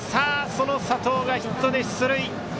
その佐藤がヒットで出塁。